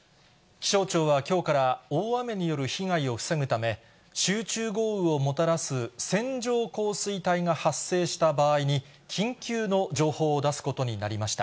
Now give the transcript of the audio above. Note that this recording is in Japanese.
気象庁はきょうから、大雨による被害を防ぐため、集中豪雨をもたらす線状降水帯が発生した場合に、緊急の情報を出すことになりました。